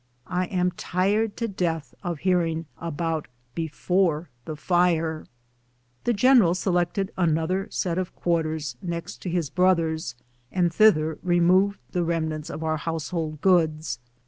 I am tired to death of hearing about * befo' the fire.' " The general selected another set of quarters next to 118 BOOTS AND SADDLES. his brother's, and thither removed the remnants of our household goods.